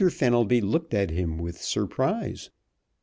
Fenelby looked at him with surprise.